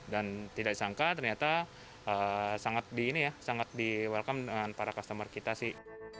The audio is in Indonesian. dan tidak disangka ternyata sangat di welcome dengan para customer kita sih